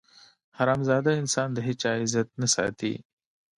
حرامزاده انسان د هېچا عزت نه ساتي.